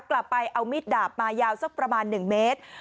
กลับไปเอามีดดาบมายาวสักประมาณ๑เมตร